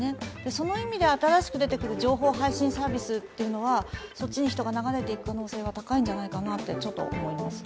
その意味で、新しく出てくる情報配信サービスというのはそっちに人が流れていく可能性は高いのではないかと思います。